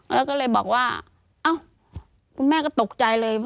แล้วก็เลยบอกว่าเอ้าคุณแม่ก็ตกใจเลย